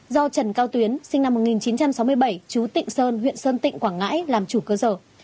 do trần cao tuyến sinh năm một nghìn chín trăm sáu mươi bảy chú tịnh sơn huyện sơn tịnh quảng ngãi làm chủ cơ sở